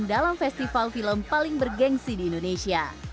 dalam festival film paling bergensi di indonesia